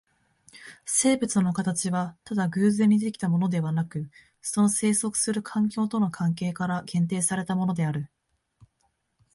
生物の形はただ偶然に出来たものでなく、その棲息する環境との関係から限定されたものである。